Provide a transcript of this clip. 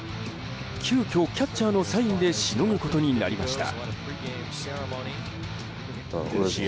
急きょ、キャッチャーのサインでしのぐことになりました。